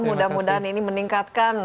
mudah mudahan ini meningkatkan